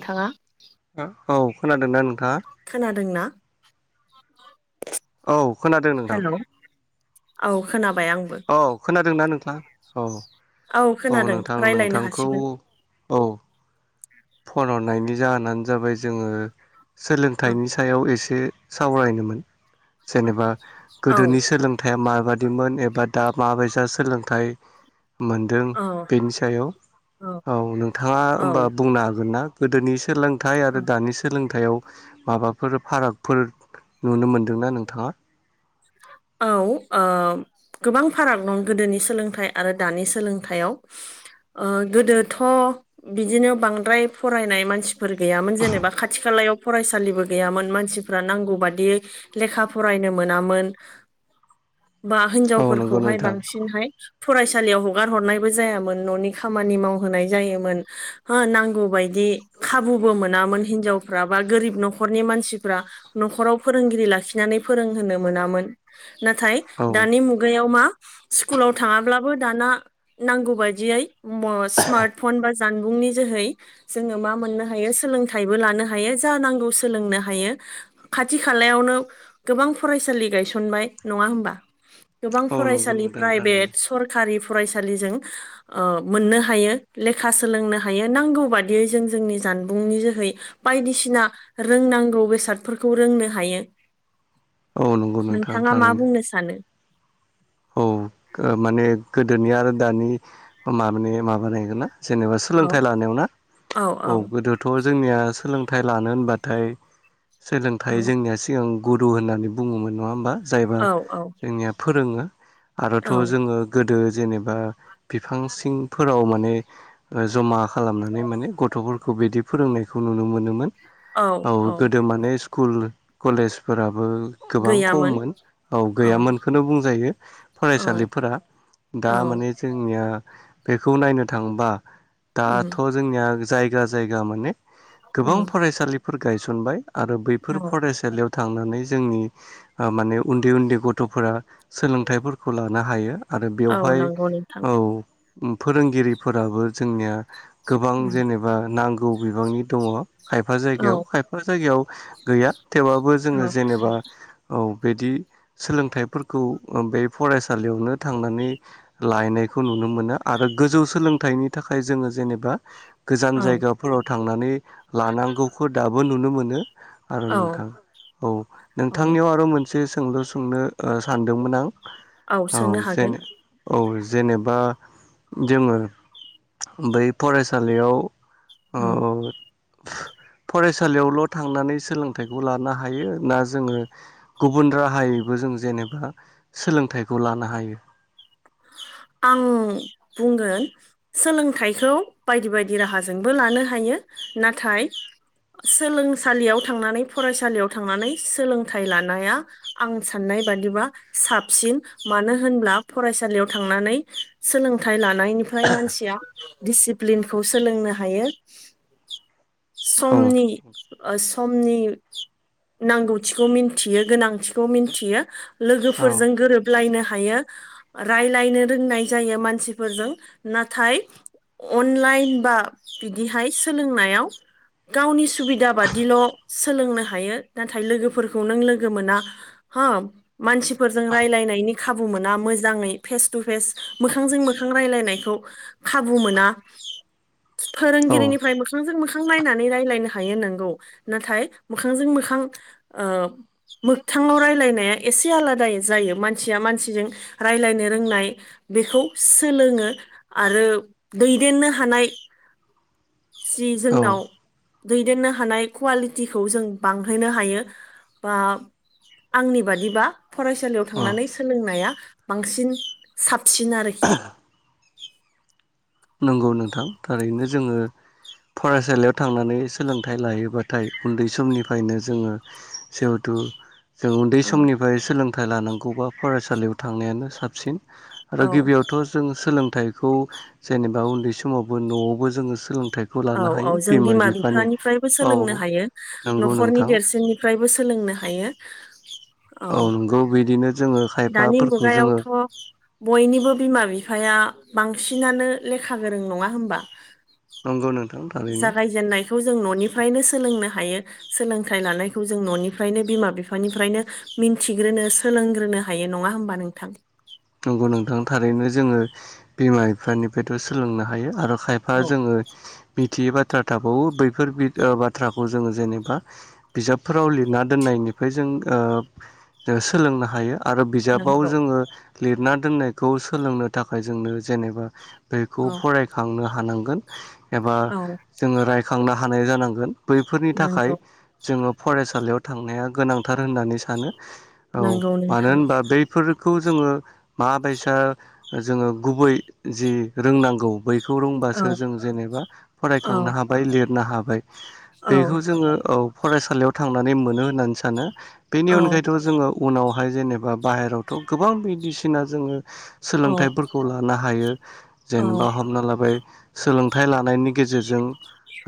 थांआ औ खोनादोंना? नोंथाङा खोनादोंना? औ खोनादों नोंथां। हेल' औ खोनाब औ खोनादोंना नोंथां औ औ खोनादों नोंथां रायलायनो नोंथांखौ हासिगोन औ फन हरनायनि जाहोनानो जाबाय जोङो औ सोलोंथाइनि सायाव एसे सावरायनोमोन जेनेबा औ गोदोनि सोलोंथाइया माबादिमोन एबा दा माबायसा सोलोंथाइ मोनदों औ बेनि सायाव औ नोंथाङा होमबा औ बुंनो हागोन ना गोदोनि सोलोंथाइ औ आरो दानि सोलों थायाव माबाफोर फारागफोर नुनो मोन्दोंना नोंथाङा औ ओ गोबां फाराग दं गोदोनि सोलोंथाइ आरो दानि सोलोंथायाइयाव ओ गोदोथ' बिदिनो बांद्राय फरायनाय मानसिफोर गैयामोन जेनेबा खाथि खाला याव फरायसालिबो गैयामोन मानसिफ्रा नांगौ बादियै लेखा फरायनो मोनामोन। बा औ नंगौ हिनजावफोरखौहाय नोंथां बांसिनहाय फरायसालियाव हगार हरनायबो जायामोन न'नि खामानि मावहोनाय जायोमोन हो नांगौ बायदि खाबु बो मोना मोन हिन्जावफ्रा बा गोरिब नखरनि मानसिफ्रा नख'राव फोरोंगिरि लाकि खिनानै फोरोंहोनो मोनामोन नाथाय औ दानि मुगायाव मा स्कुलाव थाङाब्लाबो दाना नांगौ बायदियै म-स्मार्त फन बा जानबुंनि जोहै जोङो मा मोननो हायो सोलोंथाइबो लानो हायो जा नांगौ सोलोंनो हायो खाथि खालायावनो गोबां फरायसालि गायस बाय नंआ होनबा गोबां औ नंगौ फरायसालि नोंथां थारैनो फ्रायबेट सरकारि फरायसालिजों मोननो हायो लेखा सोलोंनो हायो नांगौ बाददियै जों जोंनि जा जानबुंनि जोहै बायदिसिना रोंनांगौ बेसादफोरखौ रोंनो हायो। [inaudible] नोंथां नोंथाङा मा थारैनो बुंनो सानो? औ माने गोदोनि आरो दानि माबानि माबानायगोन ना जेनेबा औ सोलोंथाइ लानायाव ना औ गोदोथ' जोंनिया सोलोंथाइ लानो होनबाथाय सोलोंथाइ औ जोंनिया सिगां गुरु होननानै बुङोमोन नङा होमबा जायबो औ औ जोंनिया फोरोङो आरोथ' औ जोङो गोदो जेनेबा बिफां सिंफोराव माने जमा खालामनानै माने गथ'फोरखौ बिदि फोरोंनायखौ नुनो मोनोमोन। औ गोदो माने स्कुल कलेजफोरा बो गोबां गैयामोन खममोन औ गैयामोनखौनो बुंजायो। औ फरायसालिफोरा दा औ माने जोंनिया बेखौ नायनो थांबा उम दाथ' जोंनिया जायगा जायगा माने गोबां उम फरायसालिफोर गायसनबाय आरो बैफोर औ फरायसालियाव थांनानै जोंनि माने उन्दै उन्दै गथ'फोरा सोलोंथाइफोरखौ लानो हायो। आरो औ बेवहाय नंगौ नोंथां औ फोरोंगिरिफोराबो जोंनिया गोबां उम जेनेबा नांगौ बिबांनि दङ खायफा औ जायगायाव खायफा जायगायाव गैया थेवब्लााबबो जोङो औ जेनेबा औ बिदि सोलोंथाइफोरखौ बे फरायसालियावनो थांनानै लायनायखौ नुनो मोनो आरो गोजौ सोलोंथाइनि थाखा जोङो जेनेबा गोजान औ जायगाफोराव थांनानै लानांगौखौ दाबो नुनो मोनो। आरो औ नोंथां औ औ नोंथांनियाव आरो मोनसे सोंलु सोंनो ओ सान मोनदों आं औ सोंनो जेन हागोन औ जेनेबा जोङो बै फरायसालियाव ओ उम औ फरायसालियावल' थांनानै सोलोंथाइखौ लानो हायो, ना जोङो गुबुन राहायैबो जों जेनेबा सोलोंथाइखौ लानो हायो? आं बुंगोन सोलोंथाइखौ बायदि बायदि राहाजोंबो लानो हायो। नाथाय सोलोंसालियाव थांनानै फरायसालियाव थांनानै सोलोंथाइ लानाया आं साननाय बादिबा साबसिन मानो होनब्ला फरायसा सालियाव थांनानै सोलोंथाइ लानायनिफ्राय मानसिया दिसिप्लिनखौ सोलोंनो हायो। औ समनि ओ समनि नांगौथिखौ मिथियो गोनांथिखौ मिथियो। औ लोगोफोरजों गोरोबलायनो हायो। राय्लायनो रोंनाय जायो मानसिफोरजों नाथाय अनलाइन बा बिदिहाय सोलोंनायाव गावनि सुबिदा बादिल' सोलोंनो हायो नाथाय लोगोफोरखौ नों लोगो मोना। ह मानसिफोरजों रायजलायनायनि खाबु मोना मो मोजाङै फेस थु फेस मोखांजों मोखां रायनायखौ खाबु मोना औ फोरोंगिरिनिफ्रायबो मोखांजों मोखां नायनानै रायज्लायनो हायो नोंगौ नाथाय मोखांजों मोखां ओ मोगथाङाव रायलायनाया एसे आलादायै जायो मानसिया मानसिजों राय्लायनो रोंनाय बेखौ सोलोंङो आरो दैदेननो हानाय [inaudible] जि औ जोंनाव दैदेननो हानाय कुवालिटिखौ जों बांहोनो हायो बा आंनि बादिबा फरायसालियाव औ थांनानै सोलोंनाया बांसिन साबसिन आरोखि। नंगौ नोंथां थारैनो जोंङो फरायसालियाव थांनानै सोलोंथाइ लायोबाथाय उन्दै समनिफ्रायनो जोंङो जिहेथु जों उन्दै औ समनिफ्राय सोलोंथाइ लानांगौबा फरायसालियाव थांनायानो साबसिन। आरो औ गिबियावथ' जों सोलोंथाइखौ जेनेबा उन्दै समावबो न'आवबो जोंङो सोलों औ औ जों बिमा बिफानिफ्रायबो औ सोलोंनो हायो नंगौ न'खरनि नोंथां देरसिननिफ्रायबो सों सोलोंनो हायो। औ नंगौ बिदिनो जोङो दानि खायफाफोरखौ जोङो मुगायावथ' बयनिबो बिमा बिफाया बांसिनानो लेखा गोरों नङा होमबा नंगौ नोंथां थारैनो जागायजेननायखौ जों जों न'निफ्रायनो सोलोंनो हायो सोलोंथाइ लानायखौ जों न'निफ्रायनो बिमा बिफानिफ्रायनो मि मिथिग्रोनो सोलोंग्रोनो हायो नङा होमबा नोंथां। नंगौ नोंथां थारैनो जोंङो बिमा बिफानिफायथ' सोलोंनो हायो आरो। खायफा औ जोंङो। थियै बाथ्रा थाबावो बैफोर बिद ओ बाथ्राखौ जोंङो जेनेबा बिजाबफोराव लिरना दोननायनि खो जों ओब सोलोंनो हायो। आरो बिजाबाव नंगौ जोंङो लिरना दोननायखौ सोलोंनो थाखाय जोंनो जेनेबा बेखौ औ फरायखांनो हानांगोन एबा औ जोंङो रायखांनो हानाय जानांगोन। बैफोरनि थाखाय नंगौ जोंङो फरायसालियाव थांनाया गोनांथार होननानै सानो। औ नंगौ मानो नोंथां होनबा बैफोर खौ जोंङो माबायसा जोंङो गुबै जि रोंनांगौ बै बेखौ औ रोंबासो जों जेनेबा औ फरायखांनो हाबाय लिरनो हाबाय। औ बेखौ जोंङो औ फरायसालियाव थांनानै मोनो होननानै सानो। बेनि औ अनगायैथ' जोंङो उनावहाय जेनेबा बाहेरावथ' गोबां बिदिसिना जोंङो सोलोंथाइफोरखौ लानो हायो जेनेबा औ हमना लाबाय सोलोंथाइ लानायनि गेजेरजों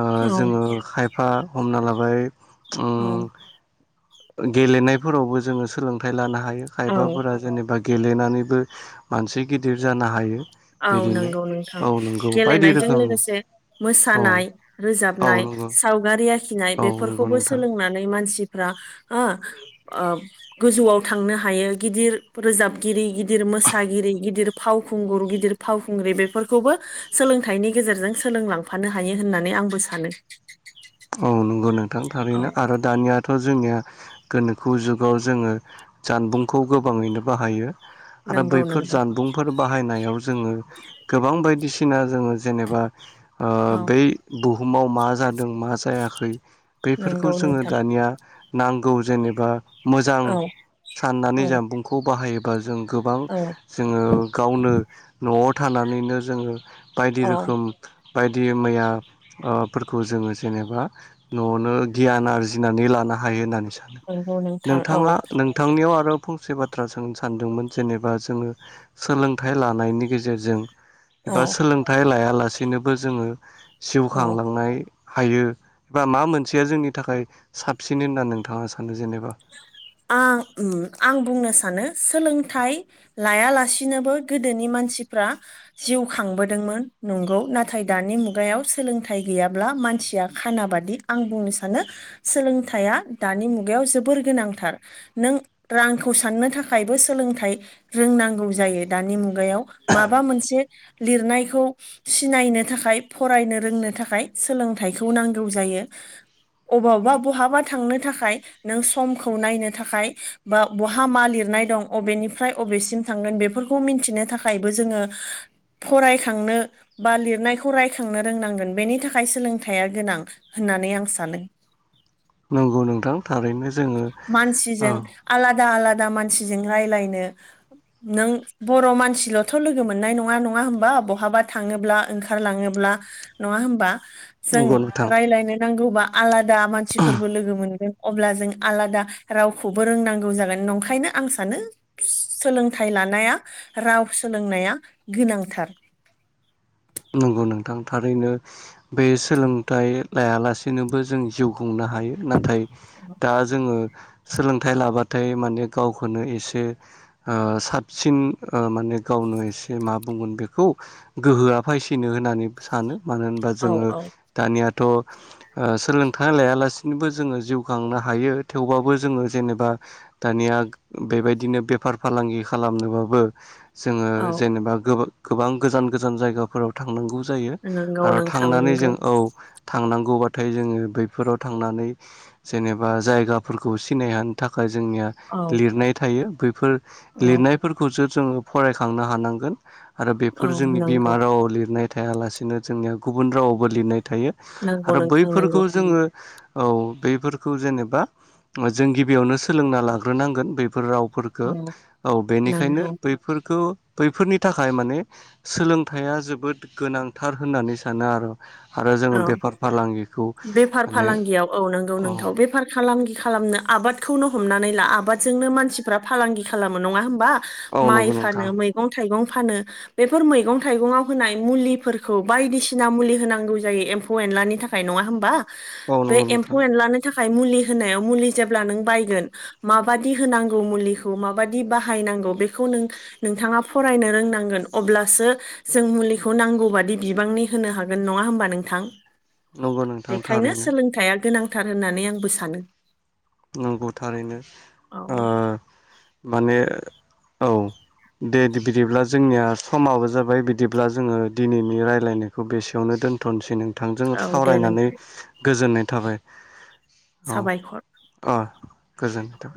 ओ औ जोंङो खायफा हमना लाबाय औ ओम गेलेनायफोरावबो जोंङो सोलोंथाइ लानो हायो। औ खायफाफोरा जेनेबा गेलेनानैबो मानसि गिदिर जानो हायो। औ बिदिनो नोंगौ नोंथां औ नंगौ बायदि गेलेनायजों रोखोमनि लोगोसे औ मोसानाय औ रोजाबनाय। नंगौ सावगारि आखिनाय औ नंगौ बेफोरखौबो नोंथां सोलोंनानै मानसिब रा ओ ओब गोजौआव थांनो हायो गिदिर रोजाबगिरि गिदिर मोसागिरि गिदिर फावखुंगुर गिद गिदिर फावखुंग्रि बेफोरखौबो सोलोंथाइनि गेजेरजों सोलोंलांफानो हायो होननानै आंबो सानो। थों औ थारैनो आरो दानियाथ'ज जोंनिया गोनोखो जुगाव जोंङो जानबुंखौ गोबाङैनो बाहायो। आरो नंगौ बैफोर नंगौ जानबुंफोर बाहायनायाव जोंङो गोबां बायदिसिना जोंङो जेनेबा ओ औ बै बुहुमाव मा जादों मा जायाखै बैफोरखौ नंगौ जोङो नोंथां दानिया नांगौ जेनेबा मोजां औ साननानै औ जानबुंखौ बाहायोबा जों गोबां औ जोंङो गावनो न'आव थानानैनो जोंङो बायदि औ रोखोम बायदि मैया ओ फोरफोरखौ जोङो जेनेबा न'आवनो गियान आरजिनानै लानो हायो होननानै नंगौ [inaudible] नोंथां औ नोंथाङा नोंथांनियाव आरोब फंसे बाथ्रा सोंनो सानदोंमोन जेनेबा जोंङो सोलोंथाइ लानायनि गेजेरजों औ एबा सोलोंथाइ लायालासेनोबो जोंङो जिउ औ खांलांनाय हायो एबा मा मोनसेया जोंनि थाखाय साबसिन होननानै नोंथाङा सानो जेनेब आं ओम आं बुंनो सानो सोलों थाय लायालासिनोबो गोदोनि मानसिफ्रा जिउ खांबोदोंमोन नंगौ नाथाय दानि मुगायाव सोलोंथाइ गैयाब्ला मानसिया खाना बादि आं बुंनो सानो सोलों सोलोंथाइया दानि मुगायाव जोब जोबोर गोनांथार नों रांखौ साननो थाखायबो सोलोंथाइ रोंनांगौ जायो दानि मुग मुगायाव माबा मोनसे लिरनायखौ सिनायनो थाखाय फरायनो रोंनो थाखाय सोलोंथाइखौ नांगौ जायो। [inaudible] अबावबा बहाबा थांनो थाखाय नों समखौ नायनो थाखाय बा बहा मा लिरनाय दं अबेनिफ्राय अबेसिम थांगोन बेफोर खौ मिथिनो थाखायबो जोङो फरायखांनो बा लिरनायखौ रायखांनो रोंनांगोन बेनि थाखाय सोलोंथाइया गोनां होननानै आं सानो नंगौ नोंथां। थारैनो जोङो औ मानसिजों आलादा आलादा मानसिजों राय्लायनो नों बर' मानसिल'थ' लोगो मोननाय नङा नङा होमबा बहाबा थाङोब्ला ओंखारलाङोब्ला [unintelligible] नङा होमबा? जों नंगौ नोंथां राय्लायनो नांगौबा आलादा मानसिफोरबो लोगो मोनगोन अब्ला जों आलादा रावखौबो रोंनांगौ जागोन नंखायनो आं सानो सोलोंथाइ लानाया राव सोलोंनाया गोनांथार। [inaudible] नंगौ नोंथां थारैनो बे सोलोंथाइ लायालासेनोबो जों जिउ खुंनो हायो नाथाय दा जोङो सोलोंथाइ लाबाथाय माने गावखौनो एसे ओ साबसिन ओ माने गावनो एसे मा बुंगोन बेखौ गोहोआ फोयसिनो होननानै सानो मानो होनबा औ जोङो औ दानिया थ' ओ सोलोंथाइ लायालासिनोबो जोङो जिउ खांनो हायो थेवबाबो जोङो जेनेबा दानिया बेबायदिनो बेफार फालांगि खालामनोबाबो जोङो औ जेनेबा गोबां गोजान गोजान जायगाफोराव थांनांगौ जायो नंगौ आरो नोंथां थांनानै नंगौ जों औ थांनांगौबाथाय जोङो बैफोराव थांनानै जेनेबा जायगाफोरखौ सिनायहानो थाखाय जोंनिया औ लिरनाय थायो बैफोर औ लिरनायफोरखौसो जोङो फरायखांनो हानांगोन आरो औ बेफोर जोंनि बिमा नंगौ रावाव लिरनाय थायालासेनो जोंनिया गुबुन रावावबो लिरनाय थायो नंगौ आरो नोंथां बैफोरखौ नंगौ जोङो औ बफोरखौ जेनेबा जों गिबियावनो सोलोंना लाग्रोनांगोन बैफोर राव फोरखौ औ औ बेनिखायनो नंगौ बैफोरखौ बैफोरनि थाखाय माने सोलोंथाइया जोबोद गोनांथार होननानै सानो आरो आरो जोङो औ बेफार फालांगिखौ बेफार माने फालांगियाव औ नंगौ नोंथां बेफार फालांगि खालामनो आबादखौनो हमनानै ला आबादजोंनो मानसिफ्रा फालांगि खालामो नङा होमबा? औ माइ नंगौ फानो नोंथां मैगं थाइगं फानो बेफोर मैगं थाइगंआव होनाय मुलिफोरखौ बायदिसिना मुलि होनांगौ। जायो एम्फौ एनलानि थाखाय नङा होमबा औ बे नंगौ नोंथां एम्फौ एनलानि थाखाय मुलि होनायाव मुलि जेब्ला नों बायगोन माबायदि होनांगौ मुलिखौ माबायदि बाहायनां बेखौ नोंथाङा फरायनो रोंनांगोन अब्लासो जों मुलिखौ नांगौ बादि बि बिबांनि होनो हागोन नङा होनबा नोंथां नंगौ नोंथां बेनिखायनो थारैनो सोलोंथाइया गोनां थार होननानै आंबो सानो। नंगौ थारैनो औ ओ माने औ। दे दे बिदिब्ला जोंनिया समाबो जाबाय बिदिब्ला जोङो दिनैनि रायलायनायखौ बेसेयावनो दोनथ'नोसै नोंथांजों औ दे सावरायनानै नोंथां गोजोननाय थाबाय। औ साबायखर। अ गोजोनथों।